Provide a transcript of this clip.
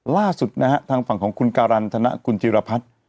ล่าสุดนะฮะทางฝั่งของคุณการรรณฑณะคุณจิรพรรดิ